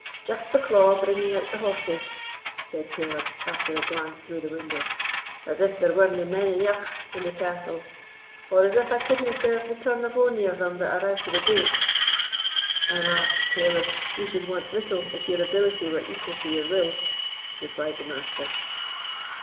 "Just Bucklaw bringing out the horses," said Caleb, after a glance through the window, "as if there werena men eneugh in the castle, or as if I couldna serve the turn of ony o' them that are out o' the gate." "Alas! Caleb, we should want little if your ability were equal to your will," replied the Master.